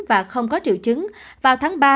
và không có triệu chứng vào tháng ba